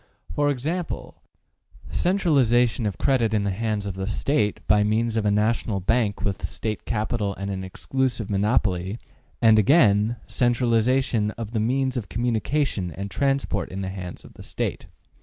For example, ``Centralization of credit in the hands of the State, by means of a national bank with State capital and an exclusive monopoly;'' and again, ``Centralization of the means of communication and transport in the hands of the State.''